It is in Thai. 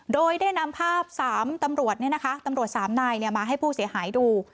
โดยได้นำภาพ๓นายมาให้ผู้เสียหายดู